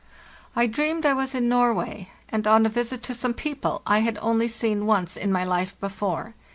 I dreamed I was in Norway, and on a visit to some people I had only seen once in my life before.